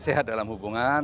sehat dalam hubungan